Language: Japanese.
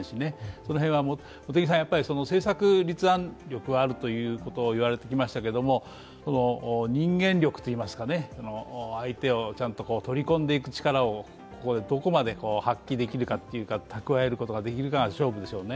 その辺は茂木さん、政策立案力はあるということを言われてきましたが、人間力といいますか、相手をちゃんと取り込んでいく力をどこまで発揮できるが、蓄えることができるかが勝負でしょうね。